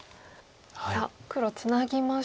さあ黒ツナぎました。